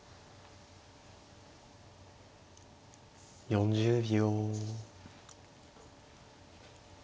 ４０秒。